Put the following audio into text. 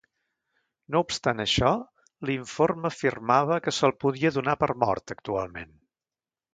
No obstant això, l'informe afirmava que se'l podia donar per mort actualment.